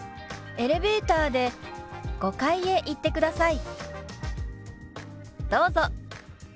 「エレベーターで５階へ行ってください」。